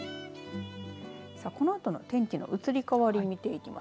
このあとの天気の移り変わりを見ていきます。